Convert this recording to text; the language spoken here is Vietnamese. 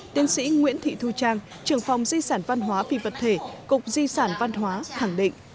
tiến sĩ nguyễn thị thu trang trưởng phòng di sản văn hóa vì vật thể cục di sản văn hóa khẳng định